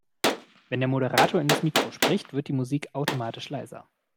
Wenn der Moderator in das Mikro spricht, wird die Musik automatisch leiser.